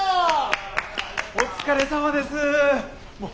お疲れさまでした！